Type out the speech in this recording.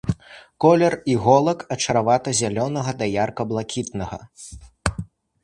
Колер іголак ад шаравата-зялёнага да ярка блакітнага.